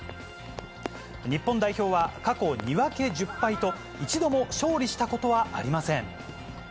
日本代表は過去２分け１０敗と、一度も勝利したことはありません。